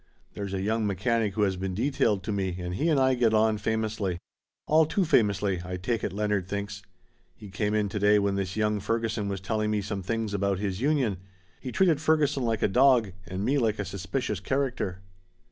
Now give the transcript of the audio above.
There's a young mechanic who has been detailed to me, and he and I get on famously. All too famously, I take it Leonard thinks. He came in to day when this young Ferguson was telling me some things about his union. He treated Ferguson like a dog and me like a suspicious character."